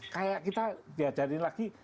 kayak kita diajari lagi